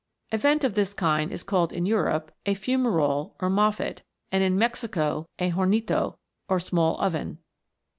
A vent of this kind is called in Europe a Fumerole or Mqffet, and in Mexico a Hornito, or small oven.